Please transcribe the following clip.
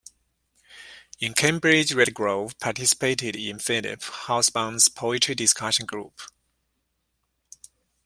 In Cambridge Redgrove participated in Philip Hobsbaum's poetry discussion group.